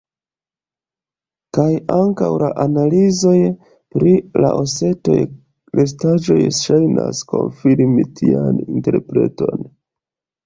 Kaj ankaŭ la analizoj pri la ostaj restaĵoj ŝajnas konfirmi tian interpreton.